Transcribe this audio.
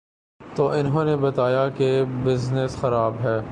تو انہوں نے بتایا کہ بزنس خراب ہے۔